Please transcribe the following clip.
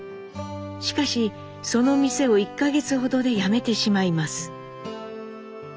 しかしその店を１か月ほどで辞めてしまいます。